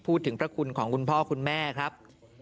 พูดถึงพระคุณของคุณพ่อคุณแม่ครับ